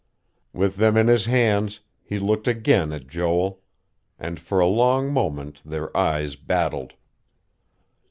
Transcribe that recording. With them in his hands, he looked again at Joel; and for a long moment their eyes battled.